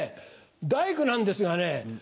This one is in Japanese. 大工なんですがね